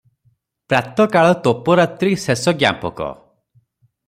ପ୍ରାତଃ କାଳ ତୋପ ରାତ୍ରି ଶେଷଜ୍ଞାପକ ।